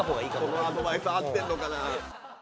このアドバイス合ってんのかな。